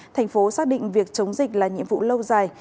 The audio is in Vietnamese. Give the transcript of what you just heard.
thành phố xác định việc chống dịch là nhiệm vụ lâu dài